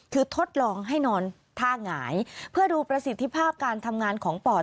คือทดลองให้นอนท่าหงายเพื่อดูประสิทธิภาพการทำงานของปอด